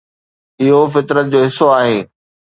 اهو فطرت جو حصو آهي